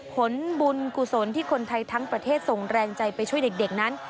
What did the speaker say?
ผลบุญกุศลที่คนไทยทั้งประเทศส่งแรงใจไปช่วยเด็กนั้น